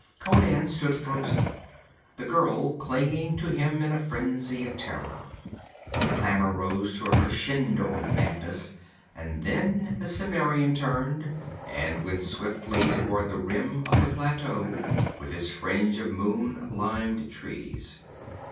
Conan stood frozen, the girl clinging to him in a frenzy of terror. The clamor rose to a crescendo of madness, and then the Cimmerian turned and went swiftly toward the rim of the plateau, with its fringe of moon limned trees.